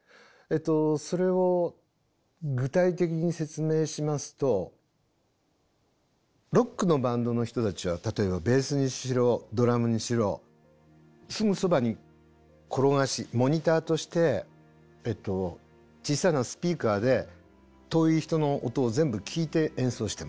それを具体的に説明しますとロックのバンドの人たちは例えばベースにしろドラムにしろすぐそばに転がしモニターとして小さなスピーカーで遠い人の音を全部聴いて演奏してます。